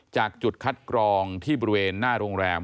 จากจุดคัดกรองที่บริเวณหน้าโรงแรม